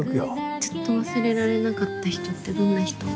ずっと忘れられなかった人ってどんな人？